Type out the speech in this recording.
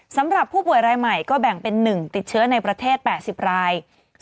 สำหรับผู้ป่วยรายใหม่ก็แบ่งเป็น๑ติดเชื้อในประเทศ๘๐ราย